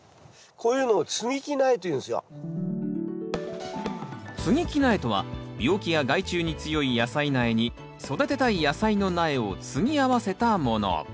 こういうのをつぎ木苗とは病気や害虫に強い野菜苗に育てたい野菜の苗をつぎ合わせたもの。